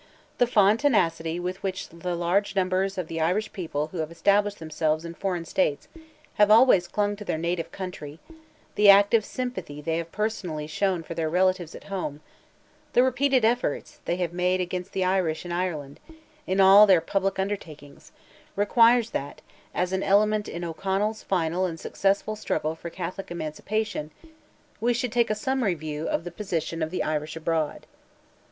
The fond tenacity with which the large numbers of the Irish people who have established themselves in foreign states have always clung to their native country; the active sympathy they have personally shown for their relatives at home; the repeated efforts they have made to assist the Irish in Ireland, in all their public undertakings, requires that, as an element in O'Connell's final and successful struggle for Catholic Emancipation, we should take a summary view of the position of "the Irish abroad."